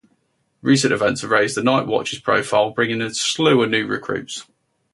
Recent events have raised the Night Watch's profile, bringing a slew of new recruits.